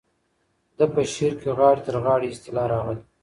د ده په شعر کې د غاړې تر غاړې اصطلاح راغلې.